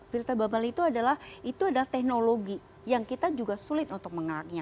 firld bubble itu adalah itu adalah teknologi yang kita juga sulit untuk mengelaknya